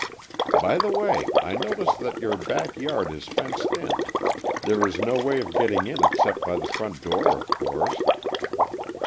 "By the way, I notice that your back yard is fenced in. There is no way of getting in except by the front door, of course."